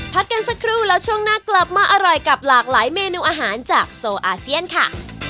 พักกันสักครู่แล้วช่วงหน้ากลับมาอร่อยกับหลากหลายเมนูอาหารจากโซอาเซียนค่ะ